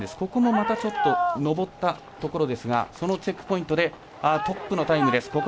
ここもまたちょっと上ったところですがそのチェックポイントでトップのタイムです。